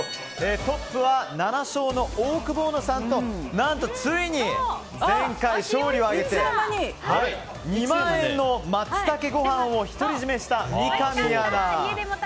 トップは７勝のオオクボーノさんと何とついに、前回勝利を挙げて２万円のマツタケご飯を独り占めした三上アナ。